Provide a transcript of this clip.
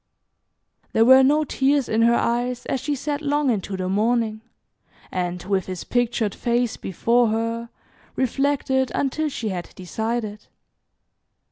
There were no tears in her eyes as she sat long into the morning, and, with his pictured face before her, reflected until she had decided.